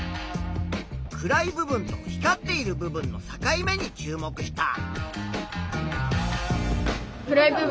暗い部分と光っている部分の境目に注目した。